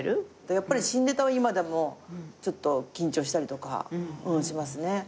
やっぱり新ネタは今でもちょっと緊張したりとかしますね。